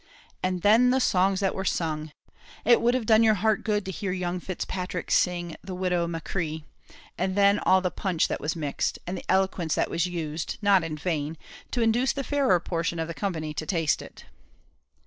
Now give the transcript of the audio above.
And then the songs that were sung! It would have done your heart good to hear young Fitzpatrick sing the "Widow Machree;" and then all the punch that was mixed! and the eloquence that was used, not in vain, to induce the fairer portion of the company to taste it!